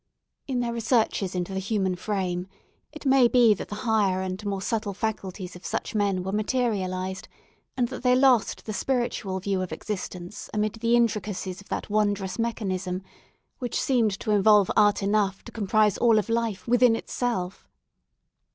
In their researches into the human frame, it may be that the higher and more subtle faculties of such men were materialised, and that they lost the spiritual view of existence amid the intricacies of that wondrous mechanism, which seemed to involve art enough to comprise all of life within itself.